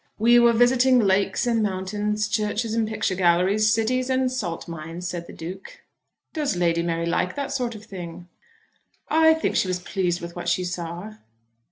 "We were visiting lakes and mountains, churches and picture galleries, cities and salt mines," said the Duke. "Does Lady Mary like that sort of thing?" "I think she was pleased with what she saw."